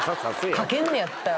かけんねやったら。